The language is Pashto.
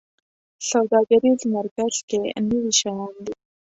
سوداګریز مرکز کې نوي شیان دي